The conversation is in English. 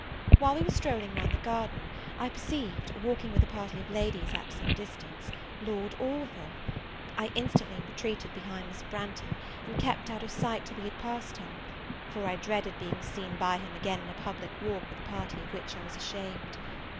While we were strolling round the garden, I perceived, walking with a party of ladies at some distance, Lord Orville! I instantly retreated behind Miss Branghton, and kept out of sight till we had passed him; for I dreaded being seen by him again in a public walk with a party of which I was ashamed.